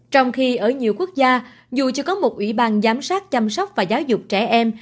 trong khi ở nhiều quốc gia dù chưa có một ủy ban giám sát chăm sóc và giáo dục trẻ em